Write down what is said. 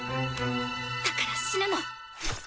だから死ぬの。